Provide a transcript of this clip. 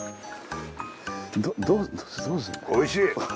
おいしい。